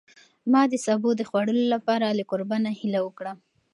ما د سابو د خوړلو لپاره له کوربه نه هیله وکړه.